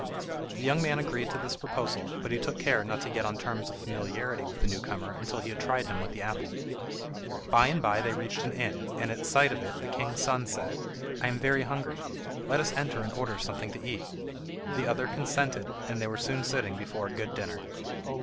The young man agreed to this proposal, but he took care not to get on terms of familiarity with the new comer until he had tried him with the apple. By and by they reached an inn, and at sight of it the king's son said, "I am very hungry. Let us enter and order something to eat." The other consented, and they were soon sitting before a good dinner.